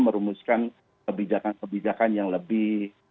merumuskan kebijakan kebijakan yang lebih